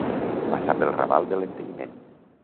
Passar pel raval de l'enteniment.